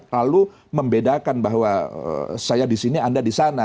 lalu membedakan bahwa saya di sini anda di sana